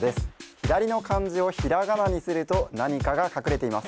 左の漢字をひらがなにすると何かが隠れています